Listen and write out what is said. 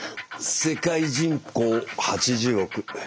世界人口８０億。